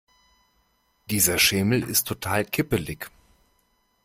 Dieser Schemel ist total kippelig.